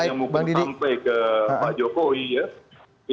yang mungkin sampai ke pak jokowi